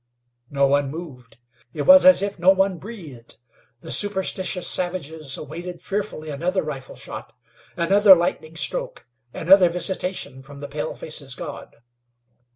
No one moved; it was as if no one breathed. The superstitious savages awaited fearfully another rifle shot; another lightning stroke, another visitation from the paleface's God.